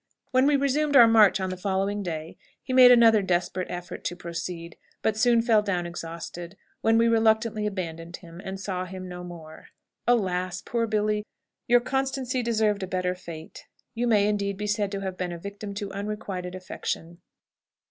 When we resumed our march on the following day he made another desperate effort to proceed, but soon fell down exhausted, when we reluctantly abandoned him, and saw him no more. Alas! poor Billy! your constancy deserved a better fate; you may, indeed, be said to have been a victim to unrequited affection.